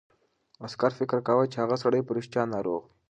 عسکر فکر کاوه چې هغه سړی په رښتیا ناروغ دی.